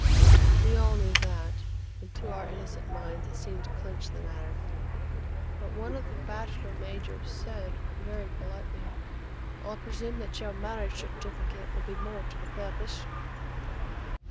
We all knew that, and to our innocent minds it seemed to clinch the matter. But one of the Bachelor Majors said very politely: "I presume that your marriage certificate would be more to the purpose?"